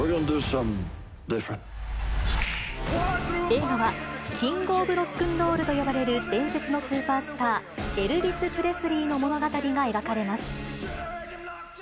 映画は、キング・オブ・ロックンロールと呼ばれる伝説のスーパースター、エルヴィス・プレスリーの物語が描かれます。